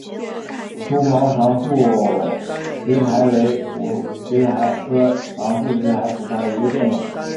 疏毛长蒴苣苔为苦苣苔科长蒴苣苔属下的一个变种。